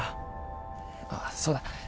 ああそうだ。